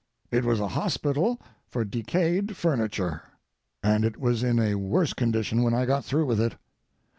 It was a hospital for decayed furniture, and it was in a worse condition when I got through with it.